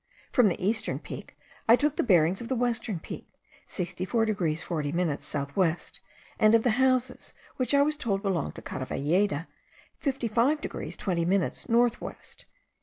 From the eastern peak I took the bearings of the western peak, 64 degrees 40 minutes south west; and of the houses, which I was told belonged to Caravalleda, 55 degrees 20 minutes north west.